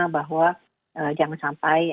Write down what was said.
bahwa jangan sampai